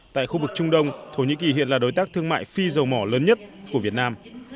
tại khu vực trung đông thổ nhĩ kỳ hiện là đối tác thương mại phi dầu mỏ lớn nhất của việt nam